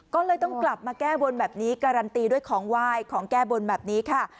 ก็เลยต้องกลับมาแก้บนแบบนี้การันตีด้วยของไหว้ของแก้บนแบบนี้ค่ะ